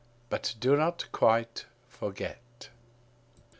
But do not quite forget.